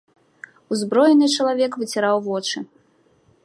Узброены чалавек выціраў вочы.